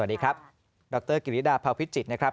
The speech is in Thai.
สวัสดีครับดรกิริดาเผาพิจิตรนะครับ